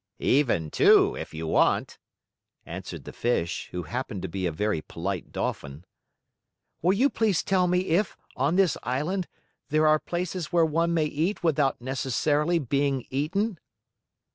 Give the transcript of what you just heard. "Even two, if you want," answered the fish, who happened to be a very polite Dolphin. "Will you please tell me if, on this island, there are places where one may eat without necessarily being eaten?"